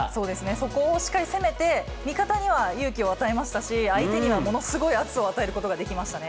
そこをしっかり攻めて、味方には勇気を与えましたし、相手にはものすごい圧を与えることができましたね。